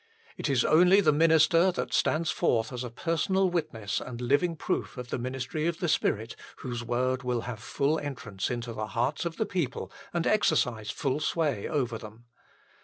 It is only the minister that stands forth as a personal witness and living proof of the ministry of the Spirit whose word will have full entrance into the hearts of the people and exercise full sway over them.